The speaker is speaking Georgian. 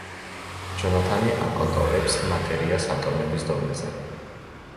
ჯონათანი აკონტროლებს მატერიას ატომების დონეზე.